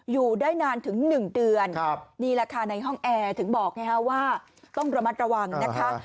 อยู่ได้นานถึง๑เดือนนี่แหละค่ะในห้องแอร์ถึงบอกไงฮะว่าต้องระมัดระวังนะคะ